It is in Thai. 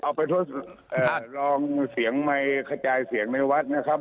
เอาไปทดลองเสียงไมค์กระจายเสียงในวัดนะครับ